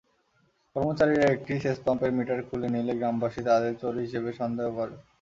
কর্মচারীরা একটি সেচপাম্পের মিটার খুলে নিলে গ্রামবাসী তাঁদের চোর হিসেবে সন্দেহ করে।